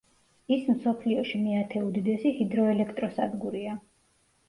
ის მსოფლიოში მეათე უდიდესი ჰიდროელექტროსადგურია.